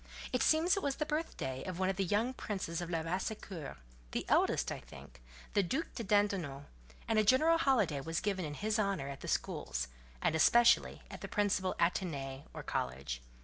It seems it was the birthday of one of the young princes of Labassecour—the eldest, I think, the Duc de Dindonneau, and a general holiday was given in his honour at the schools, and especially at the principal "Athénée," or college.